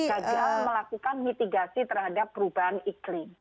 gagal melakukan mitigasi terhadap perubahan iklim